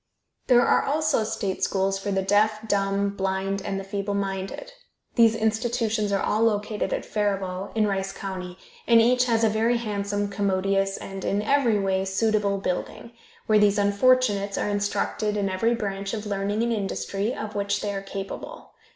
There are also state schools for the deaf, dumb, blind, and the feeble minded. These institutions are all located at Faribault, in Rice county, and each has a very handsome, commodious, and in every way suitable building, where these unfortunates are instructed in every branch of learning and industry of which they are capable.